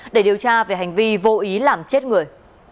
để điều tra về hành vi vô ý làm chết người